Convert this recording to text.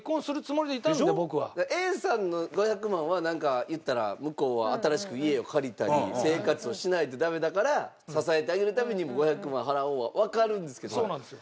Ａさんの５００万はなんか言ったら向こうは新しく家を借りたり生活をしないとダメだから支えてあげるために５００万払おうはわかるんですけど。